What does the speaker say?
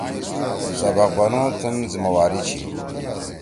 سبق بنُو تُھن زمہ واری چھی۔